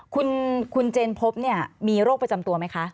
คุณเจนพบเนี่ยมีโรคประจำตัวไหมคะ